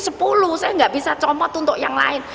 saya nggak bisa comot untuk yang lain